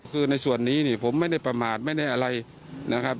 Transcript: คือในส่วนนี้เนี่ยผมไม่ได้ประมาทไม่ได้อะไรนะครับ